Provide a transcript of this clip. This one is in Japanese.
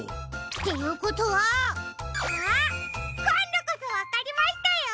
っていうことはあっこんどこそわかりましたよ！